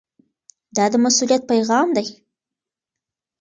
دا د مسؤلیت پیغام دی.